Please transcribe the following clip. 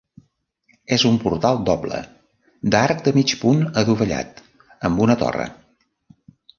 És un portal doble d'arc de mig punt adovellat amb una torre.